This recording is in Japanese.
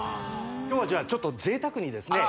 今日はじゃあちょっと贅沢にですね